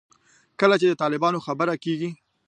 کله چې د طالبانو خبره کېږي.